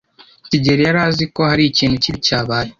kigeli yari azi ko hari ikintu kibi cyabaye.